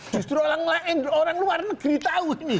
justru orang lain orang luar negeri tahu ini